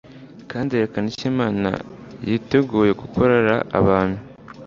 kandi yerekana icyo Imana yiteguye gukorera abantu